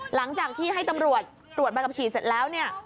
หลังจากที่ให้ตำรวจตรวจใบขับขี่เสร็จแล้วเนี่ย